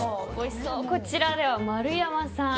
こちら、丸山さん。